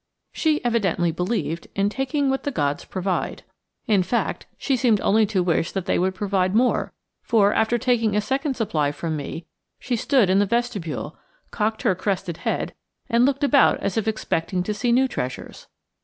She evidently believed in taking what the gods provide. In fact, she seemed only to wish that they would provide more, for, after taking a second supply from me, she stood in the vestibule, cocked her crested head, and looked about as if expecting to see new treasures.